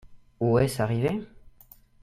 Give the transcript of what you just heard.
Où est-ce arrivé ?